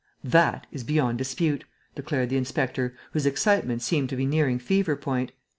"That is beyond dispute," declared the inspector, whose excitement seemed to be nearing fever point.